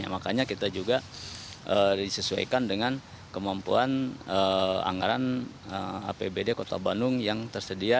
makanya kita juga disesuaikan dengan kemampuan anggaran apbd kota bandung yang tersedia